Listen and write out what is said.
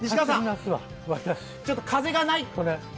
ちょっと風がない。